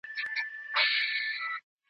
په سره سالو کي ګرځېدې مین دي کړمه